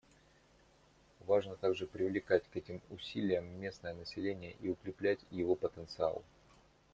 Важно также привлекать к этим усилиям местное население и укреплять его потенциал.